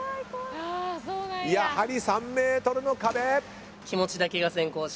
やはり３ｍの壁。